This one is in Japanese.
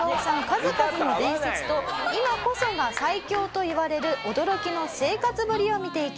数々の伝説と今こそが最強といわれる驚きの生活ぶりを見ていきます。